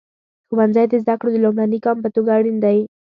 ښوونځی د زده کړو د لومړني ګام په توګه اړین دی.